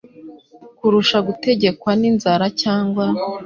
kurusha gutegekwa n’inzara cyangwa